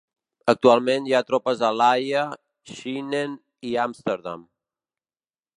Actualment hi ha tropes a l'Haia, Schinnen i Amsterdam.